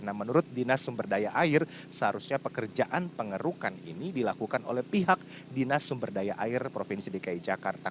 nah menurut dinas sumberdaya air seharusnya pekerjaan pengerukan ini dilakukan oleh pihak dinas sumberdaya air provinsi dki jakarta